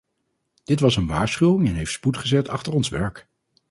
Dit was een waarschuwing en heeft spoed gezet achter ons werk.